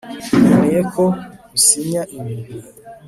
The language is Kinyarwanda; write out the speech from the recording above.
Nkeneye ko usinya ibi